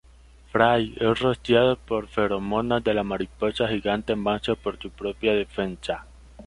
Fry es rociado por feromonas de la mariposa gigante macho para su propia defensa.